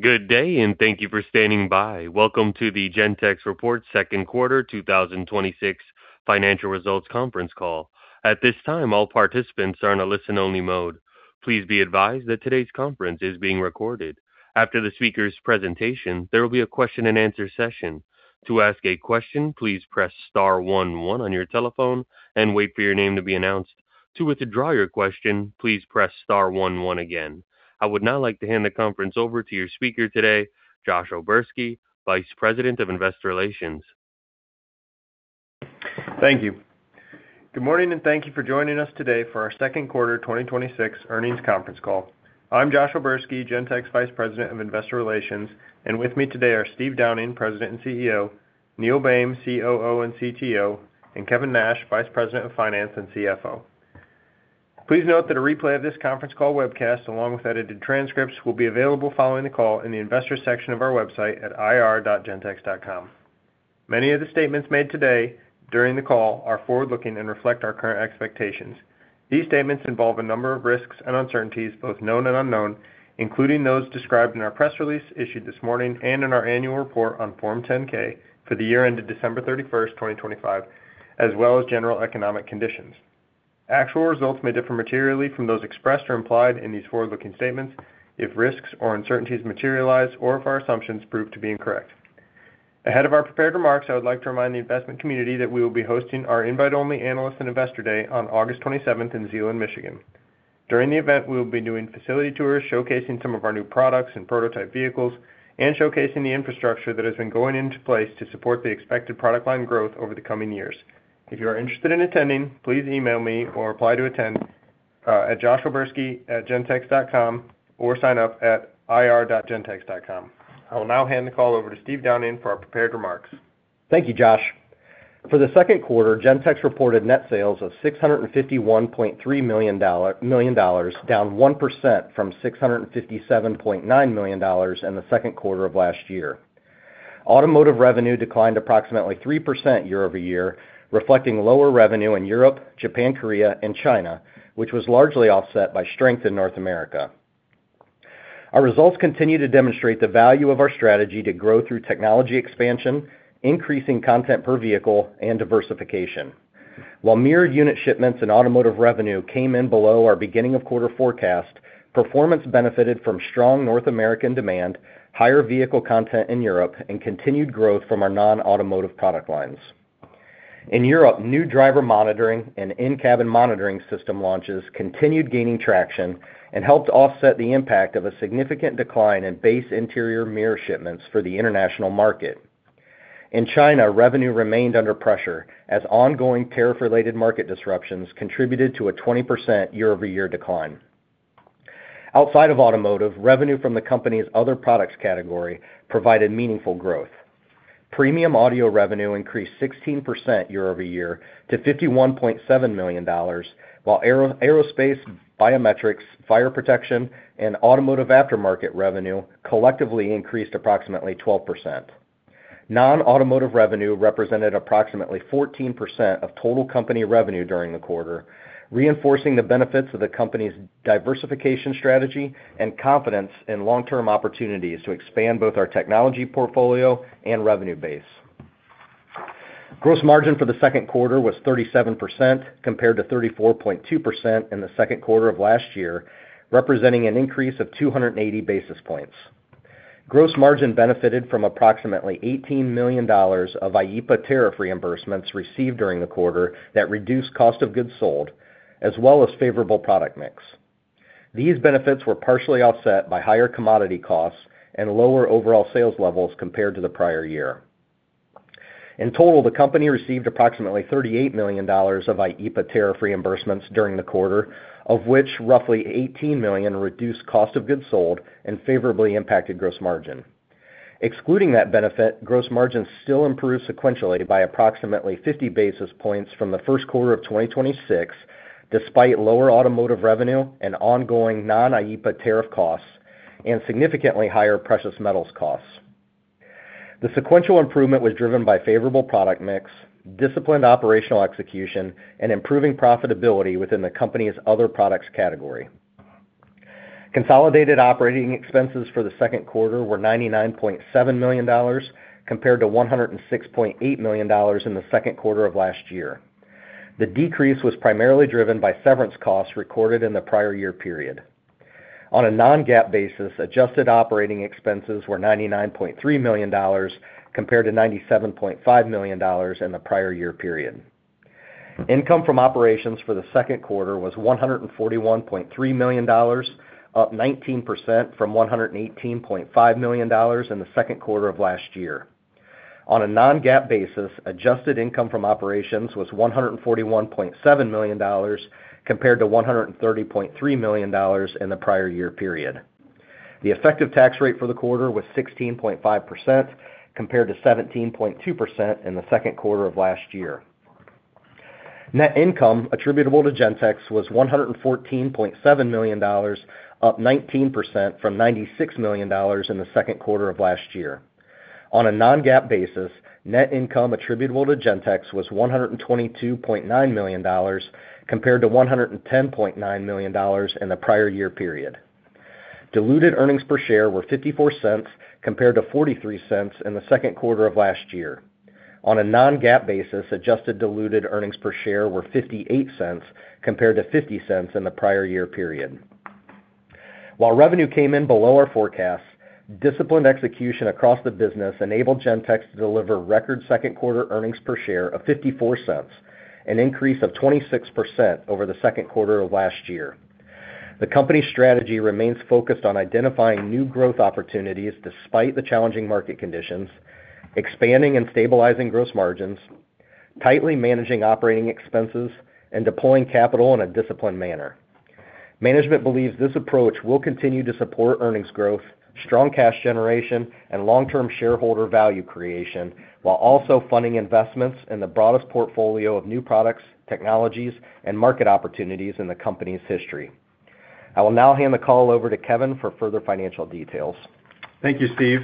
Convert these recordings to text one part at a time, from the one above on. Good day, and thank you for standing by. Welcome to the Gentex Report second quarter 2026 financial results conference call. At this time, all participants are in a listen-only mode. Please be advised that today's conference is being recorded. After the speaker's presentation, there will be a question and answer session. To ask a question, please press star one one on your telephone and wait for your name to be announced. To withdraw your question, please press star one one again. I would now like to hand the conference over to your speaker today, Josh O'Berski, Vice President of Investor Relations. Thank you. Good morning, and thank you for joining us today for our second quarter 2026 earnings conference call. I'm Josh O'Berski, Gentex Vice President of Investor Relations, and with me today are Steve Downing, President and CEO, Neil Boehm, COO and CTO, and Kevin Nash, Vice President of Finance and CFO. Please note that a replay of this conference call webcast, along with edited transcripts, will be available following the call in the investors section of our website at ir.gentex.com. Many of the statements made today during the call are forward-looking and reflect our current expectations. These statements involve a number of risks and uncertainties, both known and unknown, including those described in our press release issued this morning and in our annual report on Form 10-K for the year ended December 31st, 2025, as well as general economic conditions. Actual results may differ materially from those expressed or implied in these forward-looking statements if risks or uncertainties materialize or if our assumptions prove to be incorrect. Ahead of our prepared remarks, I would like to remind the investment community that we will be hosting our invite-only Analyst and Investor Day on August 27th in Zeeland, Michigan. During the event, we will be doing facility tours, showcasing some of our new products and prototype vehicles, and showcasing the infrastructure that has been going into place to support the expected product line growth over the coming years. If you are interested in attending, please email me or apply to attend at josh.oberski@gentex.com or sign up at ir.gentex.com. I will now hand the call over to Steve Downing for our prepared remarks. Thank you, Josh. For the second quarter, Gentex reported net sales of $651.3 million, down 1% from $657.9 million in the second quarter of last year. Automotive revenue declined approximately 3% year-over-year, reflecting lower revenue in Europe, Japan, Korea, and China, which was largely offset by strength in North America. Our results continue to demonstrate the value of our strategy to grow through technology expansion, increasing content per vehicle, and diversification. While mirror unit shipments and automotive revenue came in below our beginning of quarter forecast, performance benefited from strong North American demand, higher vehicle content in Europe, and continued growth from our non-automotive product lines. In Europe, new driver monitoring and in-cabin monitoring system launches continued gaining traction and helped offset the impact of a significant decline in base interior mirror shipments for the international market. In China, revenue remained under pressure as ongoing tariff-related market disruptions contributed to a 20% year-over-year decline. Outside of automotive, revenue from the company's other products category provided meaningful growth. Premium audio revenue increased 16% year-over-year to $51.7 million, while aerospace, biometrics, fire protection, and automotive aftermarket revenue collectively increased approximately 12%. Non-automotive revenue represented approximately 14% of total company revenue during the quarter, reinforcing the benefits of the company's diversification strategy and confidence in long-term opportunities to expand both our technology portfolio and revenue base. Gross margin for the second quarter was 37%, compared to 34.2% in the second quarter of last year, representing an increase of 280 basis points. Gross margin benefited from approximately $18 million of IEEPA tariff reimbursements received during the quarter that reduced cost of goods sold, as well as favorable product mix. These benefits were partially offset by higher commodity costs and lower overall sales levels compared to the prior year. In total, the company received approximately $38 million of IEEPA tariff reimbursements during the quarter, of which roughly $18 million reduced cost of goods sold and favorably impacted gross margin. Excluding that benefit, gross margin still improved sequentially by approximately 50 basis points from the first quarter of 2026, despite lower automotive revenue and ongoing non-IEEPA tariff costs and significantly higher precious metals costs. The sequential improvement was driven by favorable product mix, disciplined operational execution, and improving profitability within the company's other products category. Consolidated operating expenses for the second quarter were $99.7 million, compared to $106.8 million in the second quarter of last year. The decrease was primarily driven by severance costs recorded in the prior year period. On a non-GAAP basis, adjusted operating expenses were $99.3 million, compared to $97.5 million in the prior year period. Income from operations for the second quarter was $141.3 million, up 19% from $118.5 million in the second quarter of last year. On a non-GAAP basis, adjusted income from operations was $141.7 million, compared to $130.3 million in the prior year period. The effective tax rate for the quarter was 16.5%, compared to 17.2% in the second quarter of last year. Net income attributable to Gentex was $114.7 million, up 19% from $96 million in the second quarter of last year. On a non-GAAP basis, net income attributable to Gentex was $122.9 million compared to $110.9 million in the prior year period. Diluted earnings per share were $0.54 compared to $0.43 in the second quarter of last year. On a non-GAAP basis, adjusted diluted earnings per share were $0.58 compared to $0.50 in the prior year period. While revenue came in below our forecast, disciplined execution across the business enabled Gentex to deliver record second quarter earnings per share of $0.54, an increase of 26% over the second quarter of last year. The company's strategy remains focused on identifying new growth opportunities despite the challenging market conditions, expanding and stabilizing gross margins, tightly managing operating expenses, and deploying capital in a disciplined manner. Management believes this approach will continue to support earnings growth, strong cash generation, and long-term shareholder value creation, while also funding investments in the broadest portfolio of new products, technologies, and market opportunities in the company's history. I will now hand the call over to Kevin for further financial details. Thank you, Steve.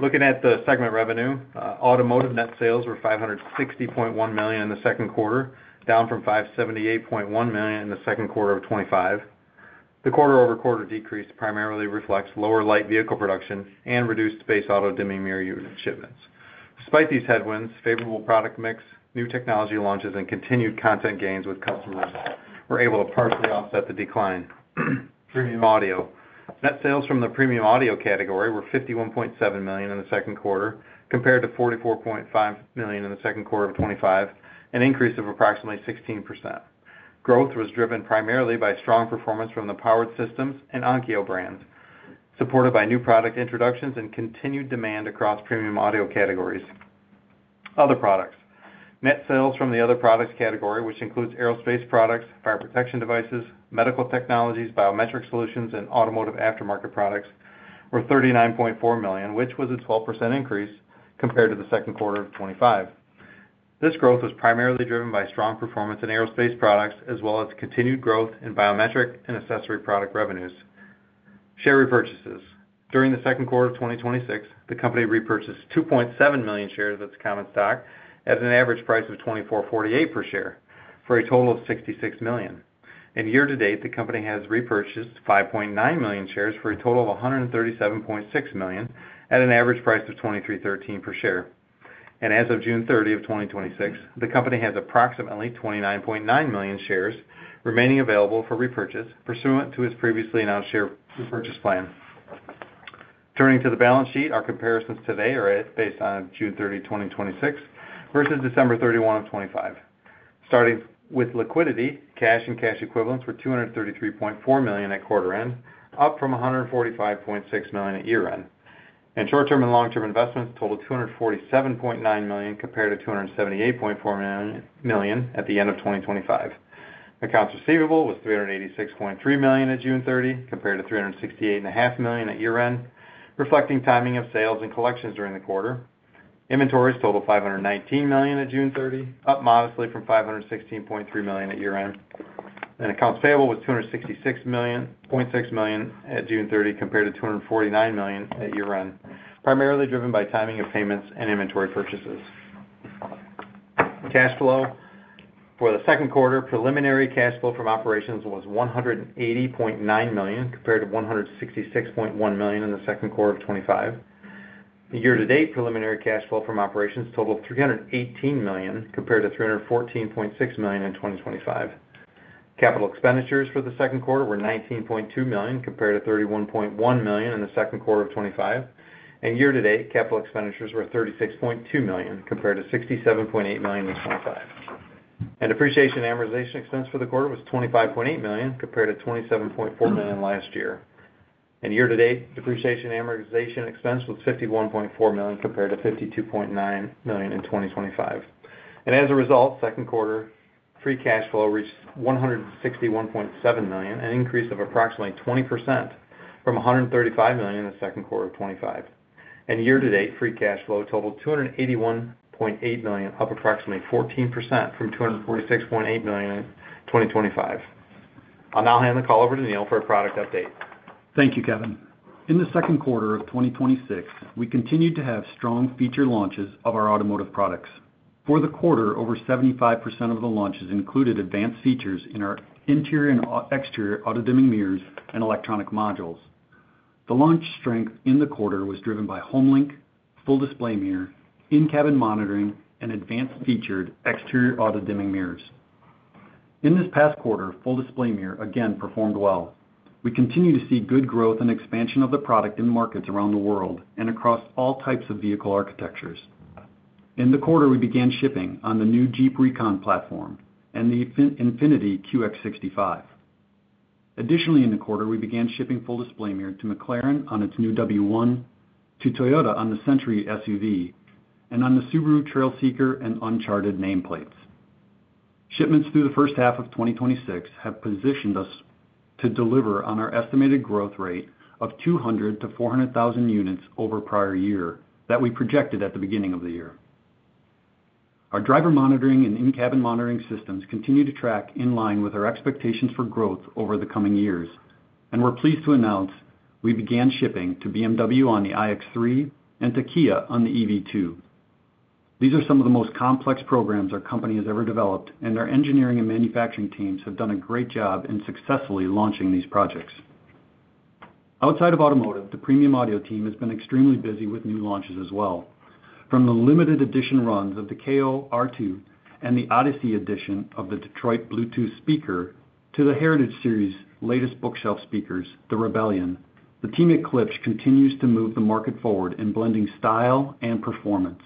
Looking at the segment revenue, automotive net sales were $560.1 million in the second quarter, down from $578.1 million in the second quarter of 2025. The quarter-over-quarter decrease primarily reflects lower light vehicle production and reduced base auto dimming mirror unit shipments. Despite these headwinds, favorable product mix, new technology launches, and continued content gains with customers were able to partially offset the decline. Premium audio. Net sales from the premium audio category were $51.7 million in the second quarter compared to $44.5 million in the second quarter of 2025, an increase of approximately 16%. Growth was driven primarily by strong performance from the powered systems and Onkyo brands, supported by new product introductions and continued demand across premium audio categories. Other products. Net sales from the other products category, which includes aerospace products, fire protection devices, medical technologies, biometric solutions, and automotive aftermarket products, were $39.4 million, which was a 12% increase compared to the second quarter of 2025. This growth was primarily driven by strong performance in aerospace products as well as continued growth in biometric and accessory product revenues. Share repurchases. During the second quarter of 2026, the company repurchased 2.7 million shares of its common stock at an average price of $24.48 per share, for a total of $66 million. Year to date, the company has repurchased 5.9 million shares for a total of $137.6 million at an average price of $23.13 per share. As of June 30th of 2026, the company has approximately 29.9 million shares remaining available for repurchase pursuant to its previously announced share repurchase plan. Turning to the balance sheet, our comparisons today are based on June 30th, 2026, versus December 31st of 2025. Starting with liquidity, cash and cash equivalents were $233.4 million at quarter end, up from $145.6 million at year-end. Short-term and long-term investments totaled $247.9 million compared to $278.4 million at the end of 2025. Accounts receivable was $386.3 million at June 30th, compared to $368.5 million at year-end, reflecting timing of sales and collections during the quarter. Inventories totaled $519 million at June 30th, up modestly from $516.3 million at year-end. Accounts payable was $266.6 million at June 30th, compared to $249 million at year-end, primarily driven by timing of payments and inventory purchases. Cash flow. For the second quarter, preliminary cash flow from operations was $180.9 million compared to $166.1 million in the second quarter of 2025. The year-to-date preliminary cash flow from operations totaled $318 million compared to $314.6 million in 2025. Capital expenditures for the second quarter were $19.2 million compared to $31.1 million in the second quarter of 2025. Year to date, capital expenditures were $36.2 million compared to $67.8 million in 2025. Depreciation and amortization expense for the quarter was $25.8 million compared to $27.4 million last year. Year to date, depreciation and amortization expense was $51.4 million compared to $52.9 million in 2025. As a result, second quarter free cash flow reached $161.7 million, an increase of approximately 20% from $135 million in the second quarter of 2025. Year to date, free cash flow totaled $281.8 million, up approximately 14% from $246.8 million in 2025. I'll now hand the call over to Neil for a product update. Thank you, Kevin. In the second quarter of 2026, we continued to have strong feature launches of our automotive products. For the quarter, over 75% of the launches included advanced features in our interior and exterior auto-dimming mirrors and electronic modules. The launch strength in the quarter was driven by HomeLink, Full Display Mirror, in-cabin monitoring, and advanced featured exterior auto-dimming mirrors. In this past quarter, Full Display Mirror again performed well. We continue to see good growth and expansion of the product in markets around the world and across all types of vehicle architectures. In the quarter, we began shipping on the new Jeep Recon platform and the Infiniti QX65. Additionally, in the quarter, we began shipping Full Display Mirror to McLaren on its new W1, to Toyota on the Century SUV, and on the Subaru Trailseeker and Uncharted nameplates. Shipments through the first half of 2026 have positioned us to deliver on our estimated growth rate of 200,000 to 400,000 units over prior year that we projected at the beginning of the year. Our driver monitoring and in-cabin monitoring systems continue to track in line with our expectations for growth over the coming years. We're pleased to announce we began shipping to BMW on the iX3 and to Kia on the EV2. These are some of the most complex programs our company has ever developed, and our engineering and manufacturing teams have done a great job in successfully launching these projects. Outside of automotive, the premium audio team has been extremely busy with new launches as well. From the limited edition runs of the kO-R2 and the Odyssey edition of the Klipsch Detroit Bluetooth Speaker to the Klipsch Heritage Series latest bookshelf speakers, the Klipsch Rebellion, the team at Klipsch continues to move the market forward in blending style and performance.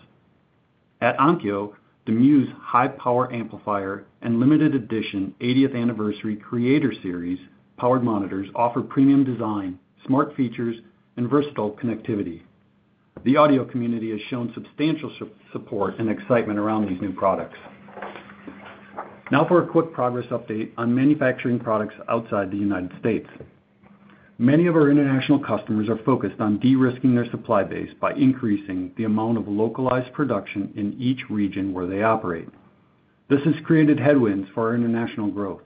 At Onkyo, the Onkyo Muse Series high power amplifier and limited edition 80th Anniversary Creator Series powered monitors offer premium design, smart features, and versatile connectivity. The audio community has shown substantial support and excitement around these new products. Now for a quick progress update on manufacturing products outside the United States. Many of our international customers are focused on de-risking their supply base by increasing the amount of localized production in each region where they operate. This has created headwinds for our international growth.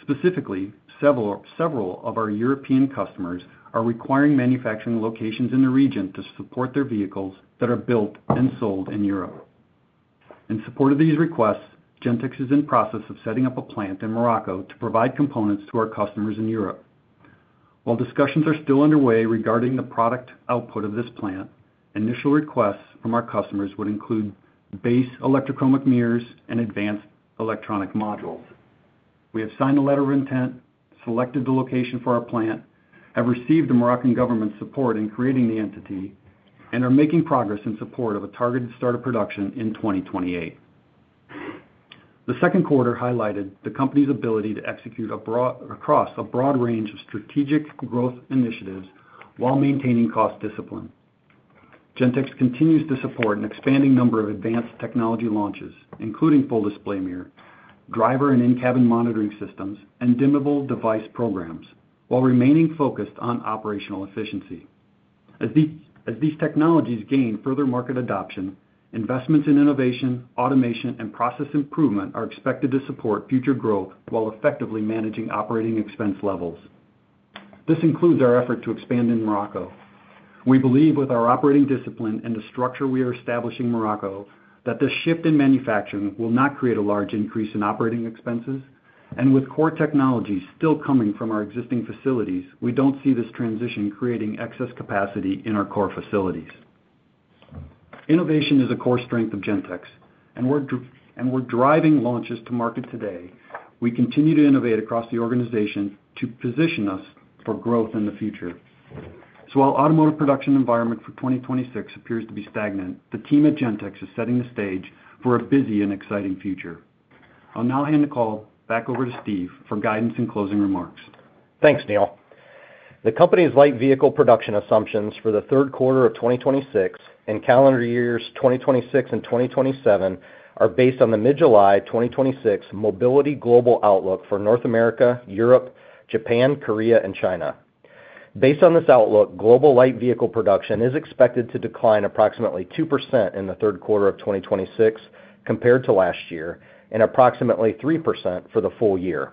Specifically, several of our European customers are requiring manufacturing locations in the region to support their vehicles that are built and sold in Europe. In support of these requests, Gentex is in process of setting up a plant in Morocco to provide components to our customers in Europe. While discussions are still underway regarding the product output of this plant, initial requests from our customers would include base electrochromic mirrors and advanced electronic modules. We have signed a letter of intent, selected the location for our plant, have received the Moroccan government's support in creating the entity, and are making progress in support of a targeted start of production in 2028. The second quarter highlighted the company's ability to execute across a broad range of strategic growth initiatives while maintaining cost discipline. Gentex continues to support an expanding number of advanced technology launches, including Full Display Mirror, driver and in-cabin monitoring systems, and dimmable device programs while remaining focused on operational efficiency. As these technologies gain further market adoption, investments in innovation, automation, and process improvement are expected to support future growth while effectively managing operating expense levels. This includes our effort to expand in Morocco. We believe with our operating discipline and the structure we are establishing Morocco, that this shift in manufacturing will not create a large increase in operating expenses. With core technologies still coming from our existing facilities, we don't see this transition creating excess capacity in our core facilities. Innovation is a core strength of Gentex, and we're driving launches to market today. We continue to innovate across the organization to position us for growth in the future. While automotive production environment for 2026 appears to be stagnant, the team at Gentex is setting the stage for a busy and exciting future. I'll now hand the call back over to Steve for guidance and closing remarks. Thanks, Neil. The company's light vehicle production assumptions for the third quarter of 2026 and calendar years 2026 and 2027 are based on the mid-July 2026 Mobility global outlook for North America, Europe, Japan, Korea, and China. Based on this outlook, global light vehicle production is expected to decline approximately 2% in the third quarter of 2026 compared to last year, and approximately 3% for the full year.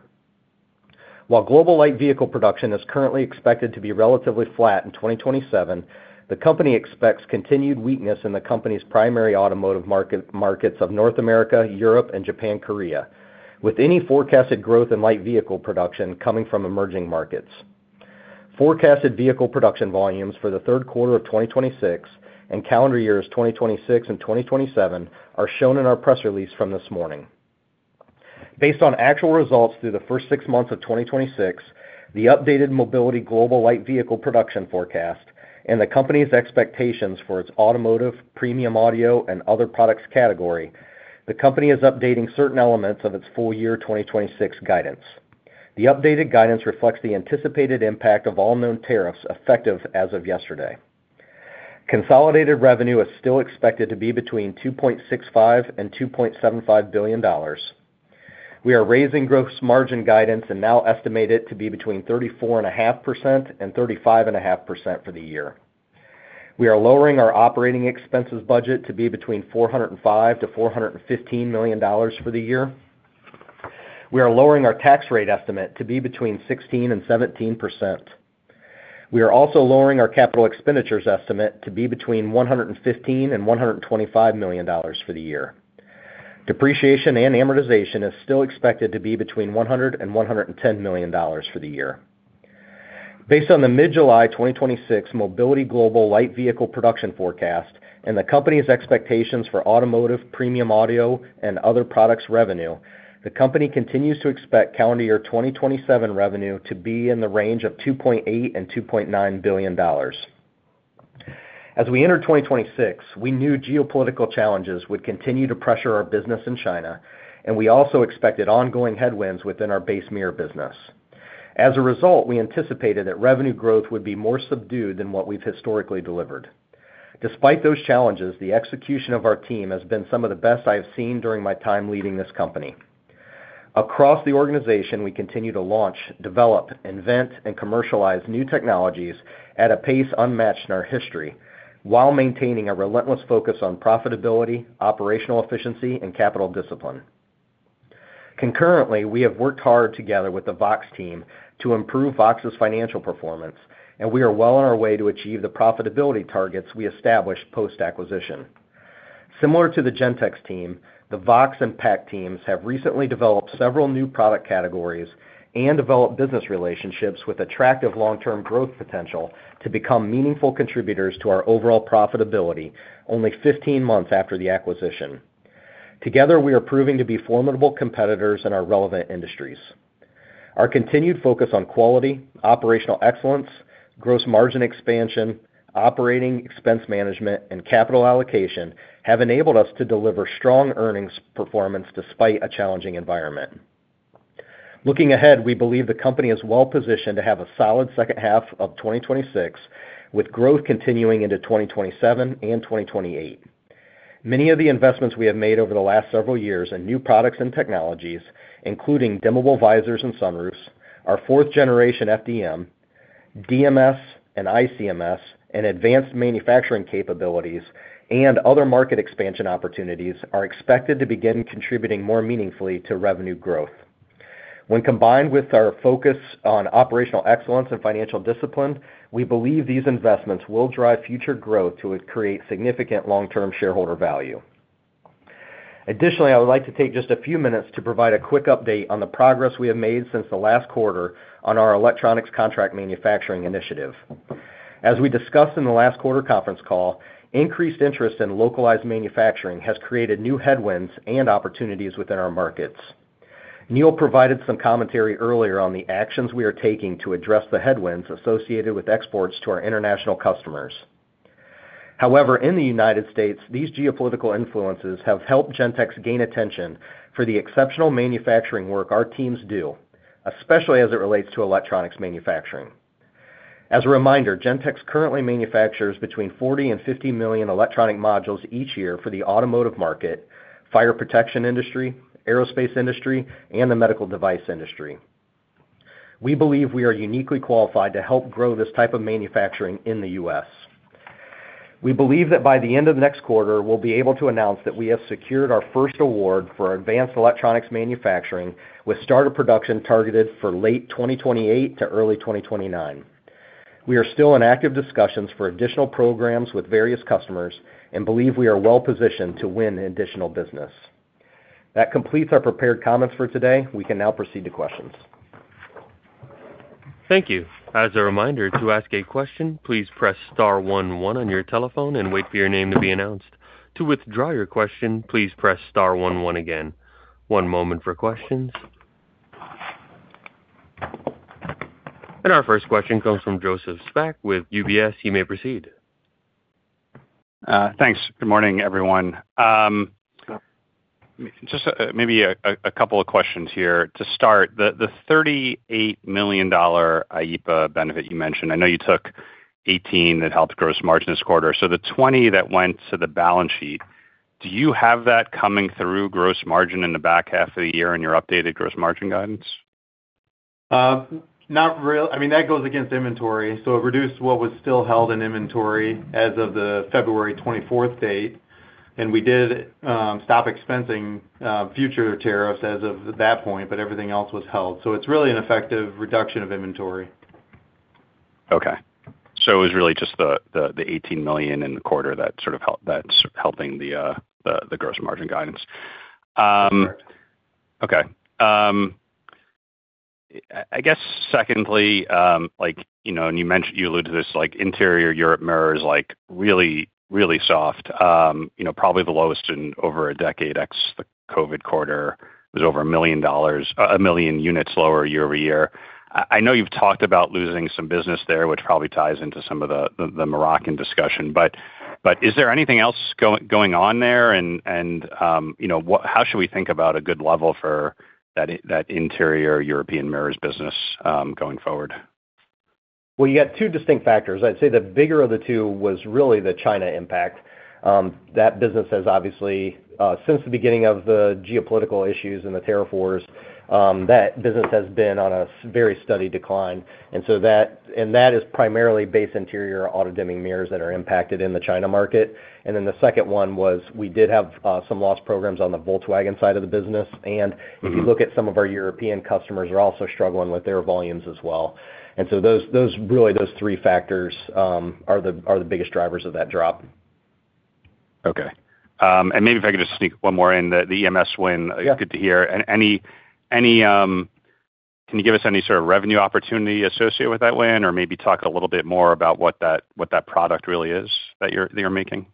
While global light vehicle production is currently expected to be relatively flat in 2027, the company expects continued weakness in the company's primary automotive markets of North America, Europe, and Japan, Korea, with any forecasted growth in light vehicle production coming from emerging markets. Forecasted vehicle production volumes for the third quarter of 2026 and calendar years 2026 and 2027 are shown in our press release from this morning. Based on actual results through the first six months of 2026, the updated Mobility global light vehicle production forecast and the company's expectations for its automotive, Premium Audio, and other products category, the company is updating certain elements of its full year 2026 guidance. The updated guidance reflects the anticipated impact of all known tariffs effective as of yesterday. Consolidated revenue is still expected to be between $2.65 billion and $2.75 billion. We are raising gross margin guidance and now estimate it to be between 34.5% and 35.5% for the year. We are lowering our operating expenses budget to be between $405 million-$415 million for the year. We are lowering our tax rate estimate to be between 16% and 17%. We are also lowering our capital expenditures estimate to be between $115 million and $125 million for the year. Depreciation and amortization is still expected to be between $100 and $110 million for the year. Based on the mid-July 2026 Mobility global light vehicle production forecast and the company's expectations for automotive, premium audio, and other products revenue, the company continues to expect calendar year 2027 revenue to be in the range of $2.8 and $2.9 billion. As we entered 2026, we knew geopolitical challenges would continue to pressure our business in China, and we also expected ongoing headwinds within our base mirror business. As a result, we anticipated that revenue growth would be more subdued than what we've historically delivered. Despite those challenges, the execution of our team has been some of the best I have seen during my time leading this company. Across the organization, we continue to launch, develop, invent, and commercialize new technologies at a pace unmatched in our history while maintaining a relentless focus on profitability, operational efficiency, and capital discipline. Concurrently, we have worked hard together with the VOXX team to improve VOXX's financial performance, and we are well on our way to achieve the profitability targets we established post-acquisition. Similar to the Gentex team, the VOXX and PAC teams have recently developed several new product categories and developed business relationships with attractive long-term growth potential to become meaningful contributors to our overall profitability only 15 months after the acquisition. Together, we are proving to be formidable competitors in our relevant industries. Our continued focus on quality, operational excellence, gross margin expansion, operating expense management, and capital allocation have enabled us to deliver strong earnings performance despite a challenging environment. Looking ahead, we believe the company is well-positioned to have a solid second half of 2026, with growth continuing into 2027 and 2028. Many of the investments we have made over the last several years in new products and technologies, including dimmable visors and sunroofs, our fourth-generation FDM, DMS and ICMS, and advanced manufacturing capabilities and other market expansion opportunities are expected to begin contributing more meaningfully to revenue growth. When combined with our focus on operational excellence and financial discipline, we believe these investments will drive future growth to create significant long-term shareholder value. Additionally, I would like to take just a few minutes to provide a quick update on the progress we have made since the last quarter on our electronics contract manufacturing initiative. As we discussed in the last quarter conference call, increased interest in localized manufacturing has created new headwinds and opportunities within our markets. Neil provided some commentary earlier on the actions we are taking to address the headwinds associated with exports to our international customers. However, in the United States, these geopolitical influences have helped Gentex gain attention for the exceptional manufacturing work our teams do, especially as it relates to electronics manufacturing. As a reminder, Gentex currently manufactures between 40 and 50 million electronic modules each year for the automotive market, fire protection industry, aerospace industry, and the medical device industry. We believe we are uniquely qualified to help grow this type of manufacturing in the U.S. We believe that by the end of next quarter, we'll be able to announce that we have secured our first award for advanced electronics manufacturing with start of production targeted for late 2028 to early 2029. We are still in active discussions for additional programs with various customers and believe we are well positioned to win additional business. That completes our prepared comments for today. We can now proceed to questions. Thank you. As a reminder, to ask a question, please press star one one on your telephone and wait for your name to be announced. To withdraw your question, please press star one one again. One moment for questions. Our first question comes from Joseph Spak with UBS. You may proceed. Thanks. Good morning, everyone. Just maybe a couple of questions here to start. The $38 million IEEPA benefit you mentioned, I know you took $18 that helped gross margin this quarter. The $20 that went to the balance sheet, do you have that coming through gross margin in the back half of the year in your updated gross margin guidance? Not really. That goes against inventory, it reduced what was still held in inventory as of the February 24th date. We did stop expensing future tariffs as of that point, everything else was held. It's really an effective reduction of inventory. Okay. It was really just the $18 million in the quarter that is helping the gross margin guidance. That is correct. Okay. I guess secondly, you alluded to this, interior Europe mirrors really soft. Probably the lowest in over a decade, ex the COVID quarter. It was over a million units lower year-over-year. I know you have talked about losing some business there, which probably ties into some of the Moroccan discussion. Is there anything else going on there? How should we think about a good level for that interior European mirrors business going forward? Well, you got two distinct factors. I would say the bigger of the two was really the China impact. That business has obviously, since the beginning of the geopolitical issues and the tariff wars, that business has been on a very steady decline. That is primarily base interior auto-dimming mirrors that are impacted in the China market. The second one was we did have some lost programs on the Volkswagen side of the business. If you look at some of our European customers are also struggling with their volumes as well. Really those three factors are the biggest drivers of that drop. Okay. Maybe if I could just sneak one more in the EMS win. Yeah. Good to hear. Can you give us any sort of revenue opportunity associated with that win? Or maybe talk a little bit more about what that product really is that you're making?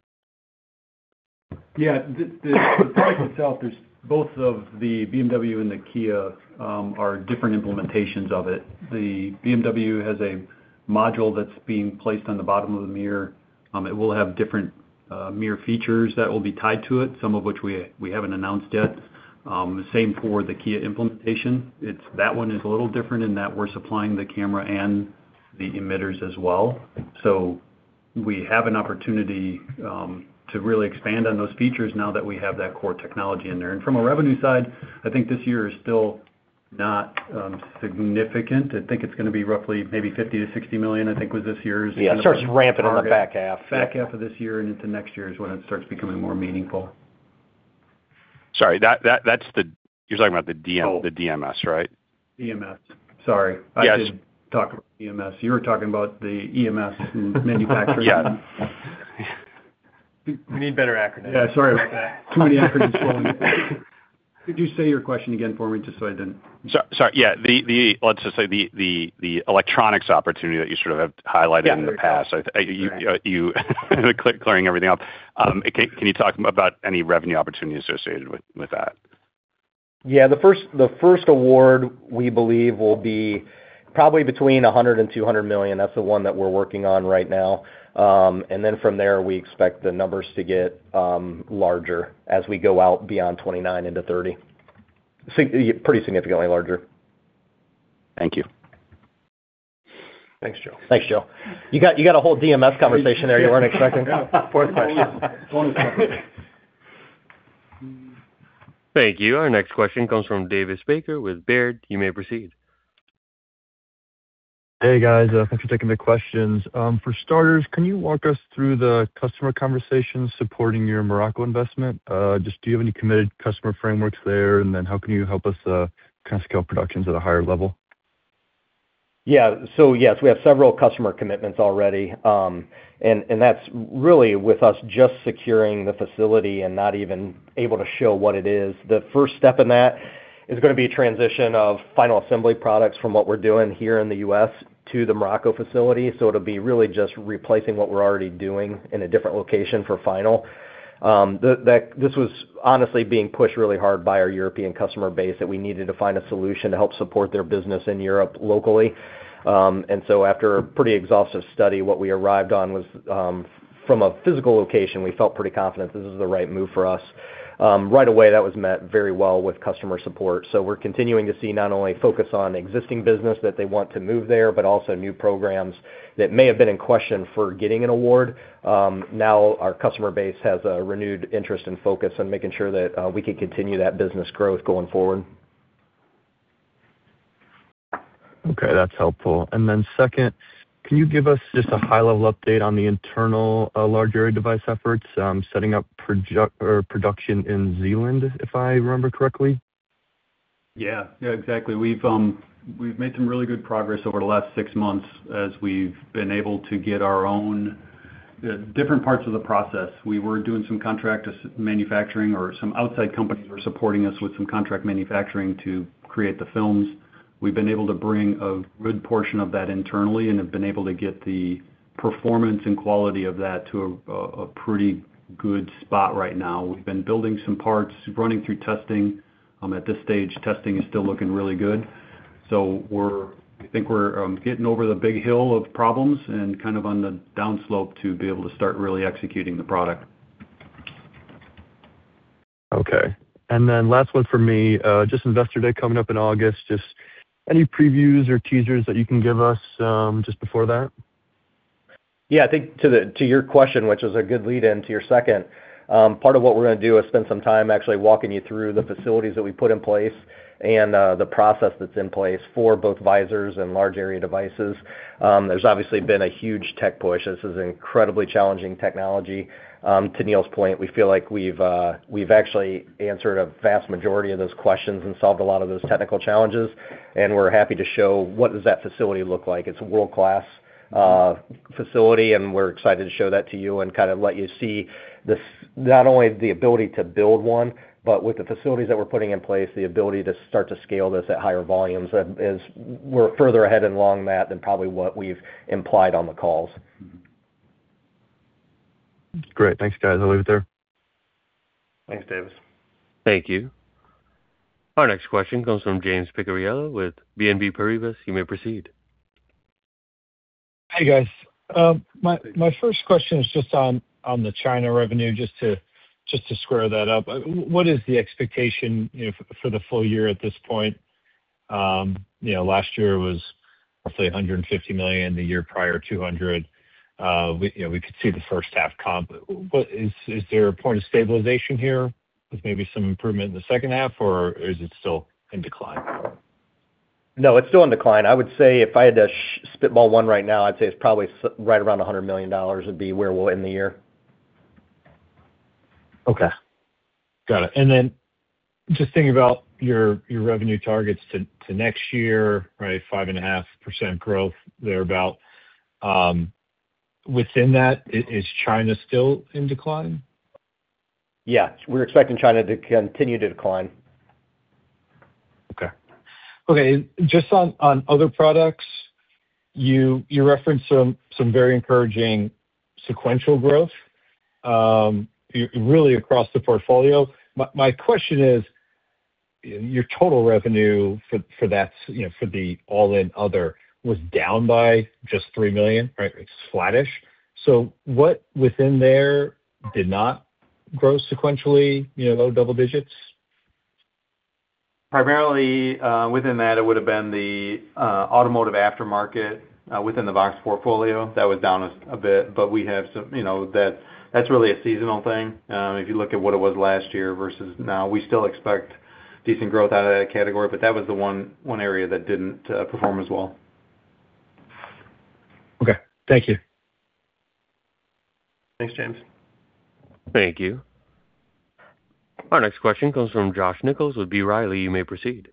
Yeah. The product itself is both of the BMW and the Kia are different implementations of it. The BMW has a module that's being placed on the bottom of the mirror. It will have different mirror features that will be tied to it, some of which we haven't announced yet. Same for the Kia implementation. That one is a little different in that we're supplying the camera and the emitters as well. We have an opportunity to really expand on those features now that we have that core technology in there. From a revenue side, I think this year is still not significant. I think it's going to be roughly maybe $50 million-$60 million, I think, was this year's target. Yeah, it starts ramping in the back half. Back half of this year and into next year is when it starts becoming more meaningful. Sorry, you're talking about the DMS, right? DMS. Sorry. Yes. I did talk about DMS. You were talking about the EMS in manufacturing. Yeah. We need better acronyms. Yeah, sorry about that. Too many acronyms flowing. Could you say your question again for me. Sorry. Yeah. Let's just say the electronics opportunity that you sort of have highlighted in the past. Yeah. Right. Clearing everything up. Can you talk about any revenue opportunity associated with that? Yeah, the first award, we believe, will be probably between $100 million and $200 million. That's the one that we're working on right now. From there, we expect the numbers to get larger as we go out beyond 2029 into 2030. Pretty significantly larger. Thank you. Thanks, Joe. Thanks, Joe. You got a whole DMS conversation there you weren't expecting. Fourth question. Thank you. Our next question comes from Davis Baker with Baird. You may proceed. Hey, guys. Thanks for taking the questions. For starters, can you walk us through the customer conversations supporting your Morocco investment? Just do you have any committed customer frameworks there? How can you help us kind of scale production at a higher level? Yeah. Yes, we have several customer commitments already. That's really with us just securing the facility and not even able to show what it is. The first step in that is going to be a transition of final assembly products from what we're doing here in the U.S. to the Morocco facility. It'll be really just replacing what we're already doing in a different location for final. This was honestly being pushed really hard by our European customer base that we needed to find a solution to help support their business in Europe locally. After a pretty exhaustive study, what we arrived on was, from a physical location, we felt pretty confident this is the right move for us. Right away, that was met very well with customer support. We're continuing to see not only focus on existing business that they want to move there, but also new programs that may have been in question for getting an award. Now our customer base has a renewed interest and focus on making sure that we can continue that business growth going forward. Okay, that's helpful. Second, can you give us just a high-level update on the internal large area device efforts, setting up production in Zeeland, if I remember correctly? Yeah. Exactly. We've made some really good progress over the last six months as we've been able to get our own different parts of the process. We were doing some contract manufacturing, or some outside companies were supporting us with some contract manufacturing to create the films. We've been able to bring a good portion of that internally and have been able to get the performance and quality of that to a pretty good spot right now. We've been building some parts, running through testing. At this stage, testing is still looking really good. We think we're getting over the big hill of problems and kind of on the downslope to be able to start really executing the product. Okay. Last one for me, just Investor Day coming up in August. Just any previews or teasers that you can give us just before that? Yeah, I think to your question, which is a good lead into your second, part of what we're going to do is spend some time actually walking you through the facilities that we put in place and the process that's in place for both visors and large area devices. There's obviously been a huge tech push. This is incredibly challenging technology. To Neil's point, we feel like we've actually answered a vast majority of those questions and solved a lot of those technical challenges. We're happy to show what does that facility look like. It's a world-class facility. We're excited to show that to you and kind of let you see not only the ability to build one, but with the facilities that we're putting in place, the ability to start to scale this at higher volumes. We're further ahead along that than probably what we've implied on the calls. Great. Thanks, guys. I'll leave it there. Thanks, Davis. Thank you. Our next question comes from James Picariello with BNP Paribas. You may proceed. Hey, guys. My first question is just on the China revenue, just to square that up. What is the expectation for the full year at this point? Last year was roughly $150 million, the year prior $200 million. We could see the first half comp. Is there a point of stabilization here with maybe some improvement in the second half, or is it still in decline? No, it's still in decline. I would say if I had to spitball one right now, I'd say it's probably right around $100 million would be where we'll end the year. Okay. Got it. Just thinking about your revenue targets to next year, 5.5% growth, thereabout. Within that, is China still in decline? Yeah, we're expecting China to continue to decline. Okay. Just on other products, you referenced some very encouraging sequential growth, really across the portfolio. My question is, your total revenue for the all-in other was down by just $3 million, right? It's flattish. What within there did not grow sequentially low double digits? Primarily, within that it would've been the automotive aftermarket within the VOXX portfolio. That was down a bit. That's really a seasonal thing. If you look at what it was last year versus now, we still expect decent growth out of that category, but that was the one area that didn't perform as well. Okay. Thank you. Thanks, James. Thank you. Our next question comes from Josh Nichols with B. Riley. You may proceed.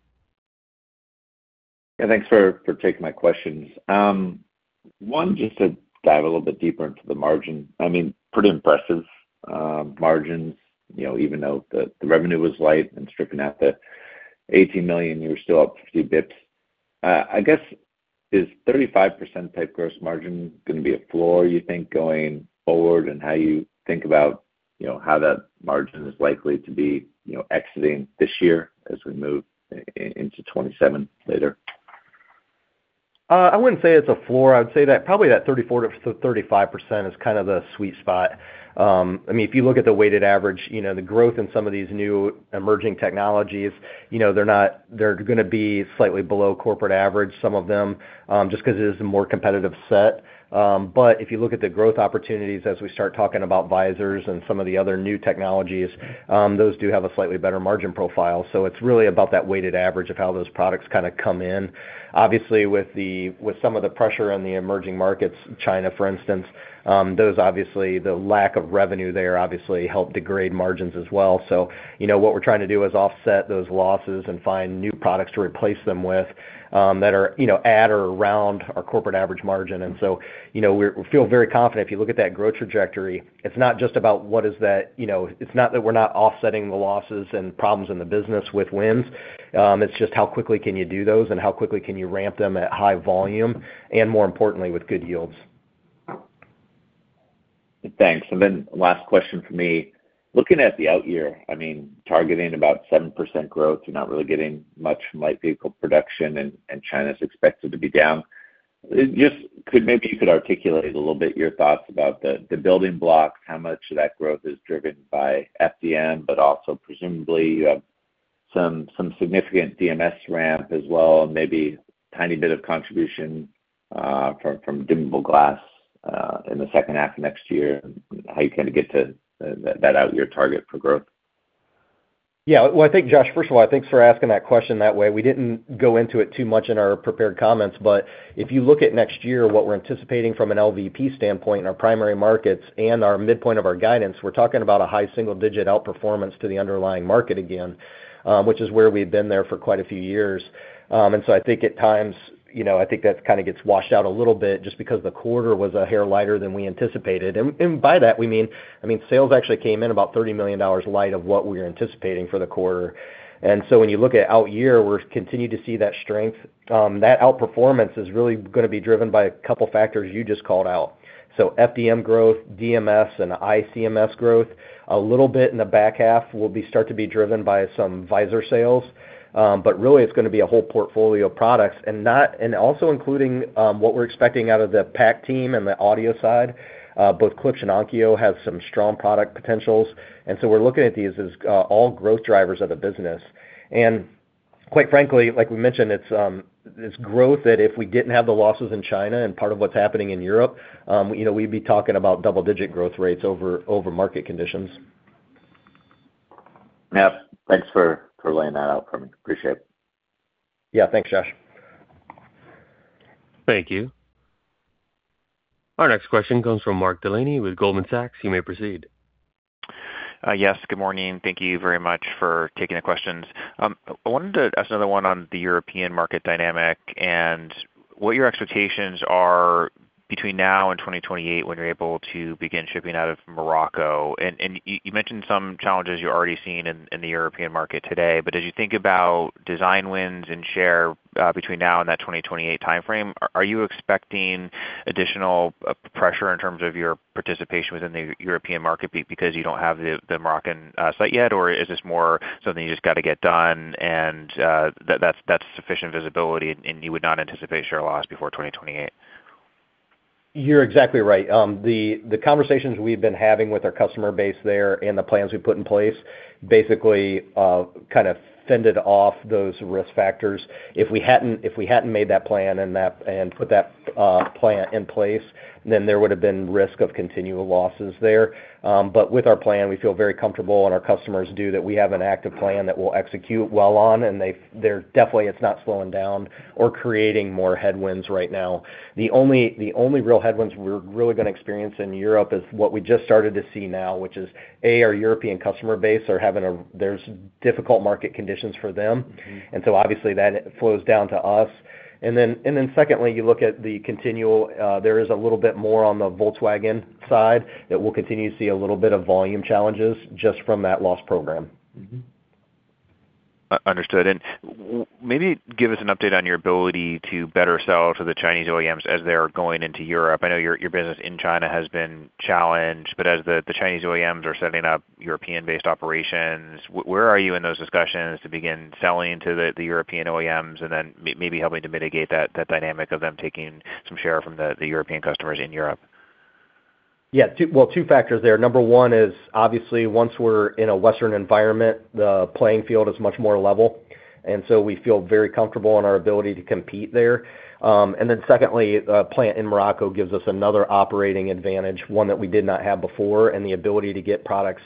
Thanks for taking my questions. Just to dive a little bit deeper into the margin. Pretty impressive margins, even though the revenue was light and stripping out the $18 million, you were still up 50 basis points. I guess, is 35% type gross margin going to be a floor you think, going forward, in how you think about how that margin is likely to be exiting this year as we move into 2027 later? I wouldn't say it's a floor. I would say that probably that 34%-35% is kind of the sweet spot. If you look at the weighted average, the growth in some of these new emerging technologies, they're going to be slightly below corporate average, some of them, just because it is a more competitive set. If you look at the growth opportunities as we start talking about visors and some of the other new technologies, those do have a slightly better margin profile. It's really about that weighted average of how those products kind of come in. Obviously, with some of the pressure on the emerging markets, China, for instance, the lack of revenue there obviously helped degrade margins as well. What we're trying to do is offset those losses and find new products to replace them with that are at or around our corporate average margin. We feel very confident. If you look at that growth trajectory, it's not that we're not offsetting the losses and problems in the business with wins. It's just how quickly can you do those and how quickly can you ramp them at high volume, and more importantly, with good yields. Thanks. Last question from me. Looking at the out year, targeting about 7% growth. You're not really getting much from light vehicle production and China's expected to be down. Maybe you could articulate a little bit your thoughts about the building blocks, how much of that growth is driven by FDM, but also presumably you have some significant DMS ramp as well, and maybe tiny bit of contribution from dimmable glass in the second half of next year, and how you kind of get to that out year target for growth. Well, I think Josh, first of all, thanks for asking that question that way. We didn't go into it too much in our prepared comments. If you look at next year, what we're anticipating from an LVP standpoint in our primary markets and our midpoint of our guidance, we're talking about a high single-digit outperformance to the underlying market again, which is where we've been there for quite a few years. I think at times, I think that kind of gets washed out a little bit just because the quarter was a hair lighter than we anticipated. By that we mean sales actually came in about $30 million light of what we were anticipating for the quarter. When you look at out year, we continue to see that strength. That outperformance is really going to be driven by a couple factors you just called out. FDM growth, DMS and ICMS growth. A little bit in the back half will start to be driven by some visor sales. Really it's going to be a whole portfolio of products, and also including what we're expecting out of the PAC team and the audio side. Both Klipsch and Onkyo have some strong product potentials, we're looking at these as all growth drivers of the business. Quite frankly, like we mentioned, it's growth that if we didn't have the losses in China and part of what's happening in Europe, we'd be talking about double-digit growth rates over market conditions. Yeah. Thanks for laying that out for me. Appreciate it. Yeah. Thanks, Josh. Thank you. Our next question comes from Mark Delaney with Goldman Sachs. You may proceed. Yes, good morning. Thank you very much for taking the questions. I wanted to ask another one on the European market dynamic and what your expectations are between now and 2028 when you are able to begin shipping out of Morocco. You mentioned some challenges you are already seeing in the European market today, but as you think about design wins and share between now and that 2028 timeframe, are you expecting additional pressure in terms of your participation within the European market because you do not have the Moroccan site yet? Is this more something you just got to get done and that is sufficient visibility and you would not anticipate share loss before 2028? You are exactly right. The conversations we have been having with our customer base there and the plans we put in place basically kind of fended off those risk factors. If we had not made that plan and put that plan in place, then there would have been risk of continual losses there. With our plan, we feel very comfortable, and our customers do, that we have an active plan that we will execute well on, and definitely it is not slowing down or creating more headwinds right now. The only real headwinds we are really going to experience in Europe is what we just started to see now, which is, A, our European customer base, there is difficult market conditions for them. Obviously that flows down to us. Secondly, you look at the continual, there is a little bit more on the Volkswagen side that we will continue to see a little bit of volume challenges just from that lost program. Understood. Maybe give us an update on your ability to better sell to the Chinese OEMs as they're going into Europe. I know your business in China has been challenged, but as the Chinese OEMs are setting up European-based operations, where are you in those discussions to begin selling to the European OEMs and then maybe helping to mitigate that dynamic of them taking some share from the European customers in Europe? Well, two factors there. Number one is obviously once we're in a Western environment, the playing field is much more level, so we feel very comfortable in our ability to compete there. Secondly, a plant in Morocco gives us another operating advantage, one that we did not have before, and the ability to get products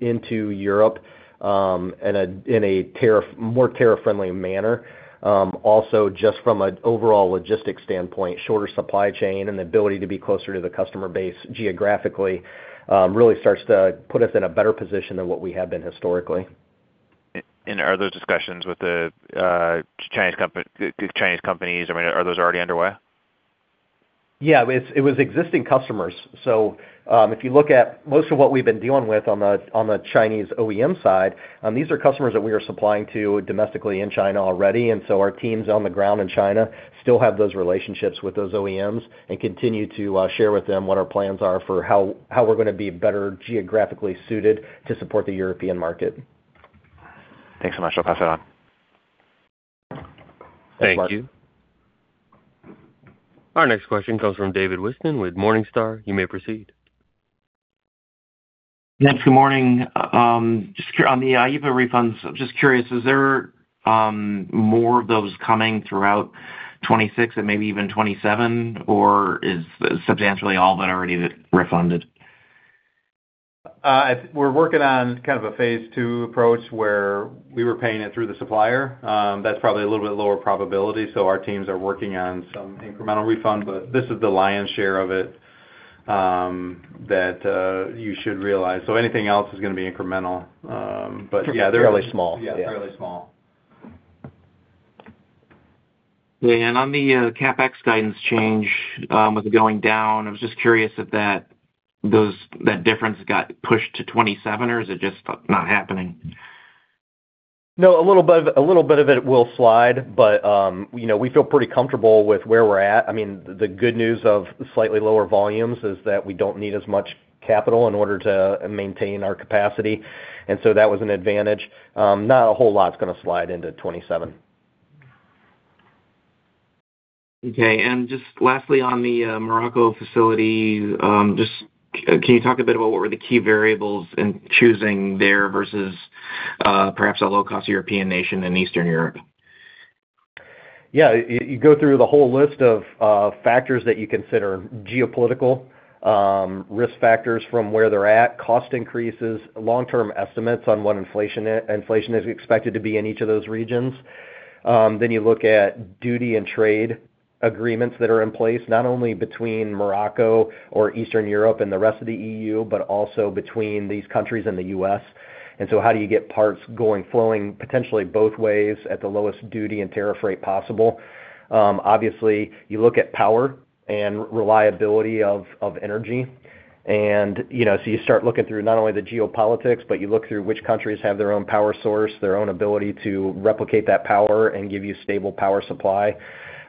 into Europe in a more tariff-friendly manner. Also, just from an overall logistics standpoint, shorter supply chain and the ability to be closer to the customer base geographically really starts to put us in a better position than what we have been historically. Are those discussions with the Chinese companies, are those already underway? It was existing customers. If you look at most of what we've been dealing with on the Chinese OEM side, these are customers that we are supplying to domestically in China already. Our teams on the ground in China still have those relationships with those OEMs and continue to share with them what our plans are for how we're going to be better geographically suited to support the European market. Thanks so much. I'll pass it on. Thank you. Our next question comes from David Whiston with Morningstar. You may proceed. Yes, good morning. Just on the IEEPA refunds, I'm just curious, is there more of those coming throughout 2026 and maybe even 2027, or is substantially all that already refunded? We're working on kind of a phase two approach where we were paying it through the supplier. That's probably a little bit lower probability, our teams are working on some incremental refund, but this is the lion's share of it that you should realize. Anything else is going to be incremental. Fairly small. Yeah, fairly small. On the CapEx guidance change, with it going down, I was just curious if that difference got pushed to 2027, or is it just not happening? No, a little bit of it will slide, but we feel pretty comfortable with where we're at. The good news of slightly lower volumes is that we don't need as much capital in order to maintain our capacity, and so that was an advantage. Not a whole lot's going to slide into 2027. Just lastly, on the Morocco facility, just can you talk a bit about what were the key variables in choosing there versus perhaps a low-cost European nation in Eastern Europe? Yeah. You go through the whole list of factors that you consider. Geopolitical risk factors from where they're at, cost increases, long-term estimates on what inflation is expected to be in each of those regions. You look at duty and trade agreements that are in place, not only between Morocco or Eastern Europe and the rest of the EU, but also between these countries and the U.S. How do you get parts going, flowing potentially both ways at the lowest duty and tariff rate possible? Obviously, you look at power and reliability of energy. You start looking through not only the geopolitics, but you look through which countries have their own power source, their own ability to replicate that power and give you stable power supply.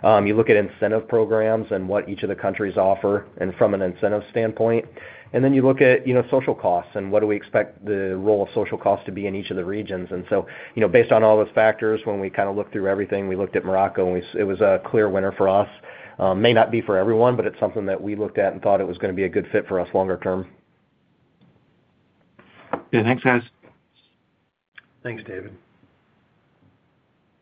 You look at incentive programs and what each of the countries offer and from an incentive standpoint. You look at social costs and what do we expect the role of social costs to be in each of the regions. Based on all those factors, when we kind of looked through everything, we looked at Morocco, and it was a clear winner for us. May not be for everyone, but it's something that we looked at and thought it was going to be a good fit for us longer term. Yeah. Thanks, guys. Thanks, David.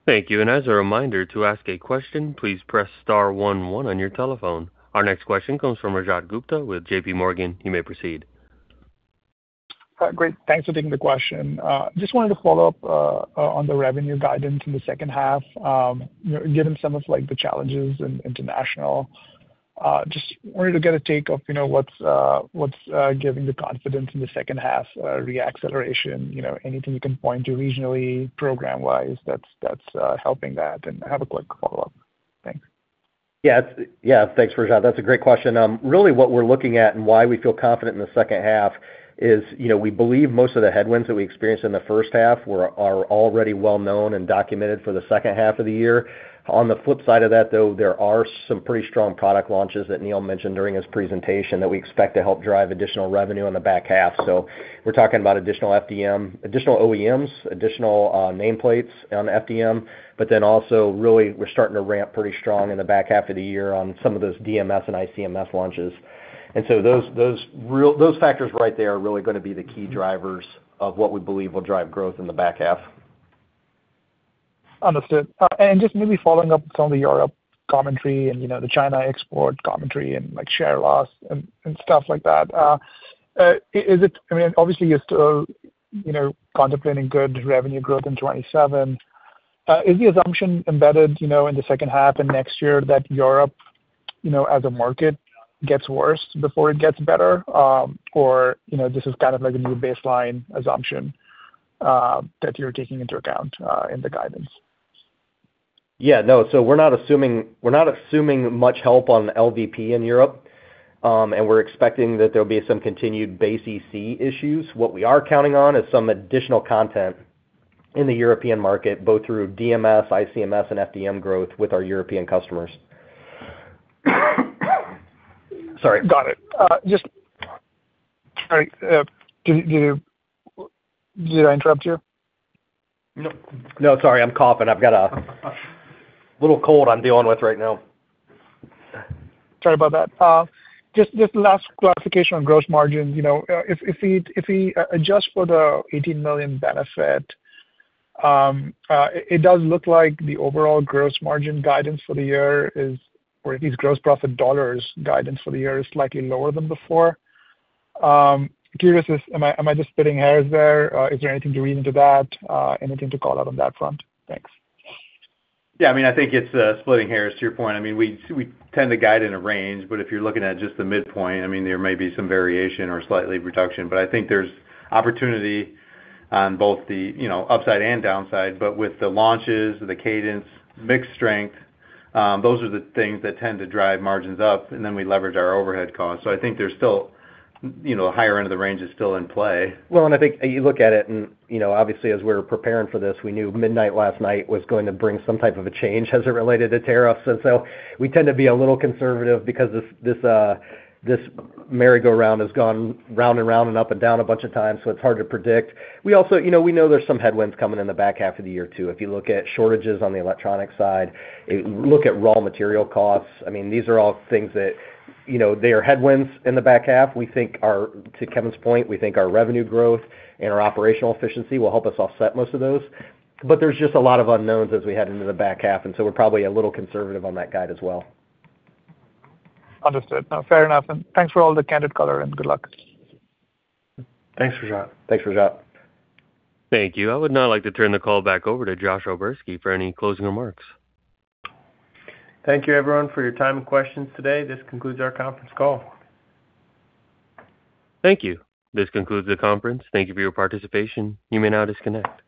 Thank you. As a reminder, to ask a question, please press star one one on your telephone. Our next question comes from Rajat Gupta with JP Morgan. You may proceed. Great. Thanks for taking the question. Just wanted to follow up on the revenue guidance in the second half. Given some of the challenges in international, just wanted to get a take of what's giving the confidence in the second half re-acceleration. Anything you can point to regionally, program-wise, that's helping that? I have a quick follow-up. Thanks. Thanks, Rajat. That's a great question. Really what we're looking at and why we feel confident in the second half is we believe most of the headwinds that we experienced in the first half are already well-known and documented for the second half of the year. On the flip side of that, though, there are some pretty strong product launches that Neil mentioned during his presentation that we expect to help drive additional revenue in the back half. We're talking about additional OEMs, additional nameplates on FDM. Also, really we're starting to ramp pretty strong in the back half of the year on some of those DMS and ICMS launches. Those factors right there are really going to be the key drivers of what we believe will drive growth in the back half. Understood. Just maybe following up on the Europe commentary and the China export commentary and share loss and stuff like that. Obviously, you're still contemplating good revenue growth in 2027. Is the assumption embedded in the second half and next year that Europe as a market gets worse before it gets better? Is this kind of like a new baseline assumption that you're taking into account in the guidance? Yeah, no. We're not assuming much help on LVP in Europe. We're expecting that there'll be some continued base EC issues. What we are counting on is some additional content in the European market, both through DMS, ICMS, and FDM growth with our European customers. Sorry. Got it. Sorry. Did I interrupt you? No, sorry, I'm coughing. I've got a little cold I'm dealing with right now. Sorry about that. Just last clarification on gross margin. If we adjust for the $18 million benefit, it does look like the overall gross margin guidance for the year is, or at least gross profit dollars guidance for the year is slightly lower than before. Curious, am I just splitting hairs there? Is there anything to read into that? Anything to call out on that front? Thanks. Yeah, I think it's splitting hairs to your point. We tend to guide in a range, if you're looking at just the midpoint, there may be some variation or slight reduction. I think there's opportunity on both the upside and downside. With the launches, the cadence, mixed strength, those are the things that tend to drive margins up, and then we leverage our overhead costs. I think the higher end of the range is still in play. I think you look at it, obviously as we were preparing for this, we knew midnight last night was going to bring some type of a change as it related to tariffs. We tend to be a little conservative because this merry-go-round has gone round and round and up and down a bunch of times, so it's hard to predict. We know there's some headwinds coming in the back half of the year, too. If you look at shortages on the electronic side, look at raw material costs, these are all things that, they are headwinds in the back half. To Kevin's point, we think our revenue growth and our operational efficiency will help us offset most of those. There's just a lot of unknowns as we head into the back half, we're probably a little conservative on that guide as well. Understood. No, fair enough. Thanks for all the candid color, good luck. Thanks, Rajat. Thanks, Rajat. Thank you. I would now like to turn the call back over to Josh O'Berski for any closing remarks. Thank you, everyone, for your time and questions today. This concludes our conference call. Thank you. This concludes the conference. Thank you for your participation. You may now disconnect.